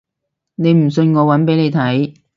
你唔信我搵俾你睇